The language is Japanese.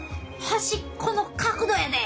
端っこの角度やで！